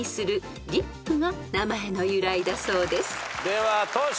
ではトシ。